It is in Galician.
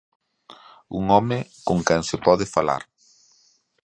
Un home con quen se pode falar.